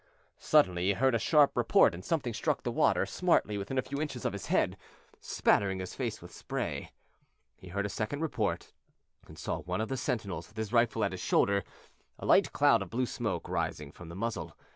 Suddenly he heard a sharp report and something struck the water smartly within a few inches of his head, spattering his face with spray. He heard a second report, and saw one of the sentinels with his rifle at his shoulder, a light cloud of blue smoke rising from the muzzle.